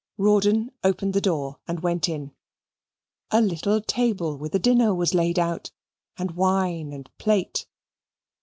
Rawdon opened the door and went in. A little table with a dinner was laid out and wine and plate.